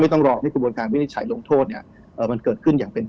ไม่ต้องรอในกระบวนการยุนิษฐร์และวิจัยโทษ